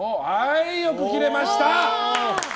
よく切れました！